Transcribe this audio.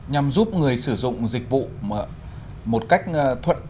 nhằm giúp người sử dụng dịch vụ một cách thuận lợi